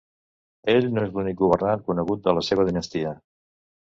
Ell no és l'únic governant conegut de la seva dinastia.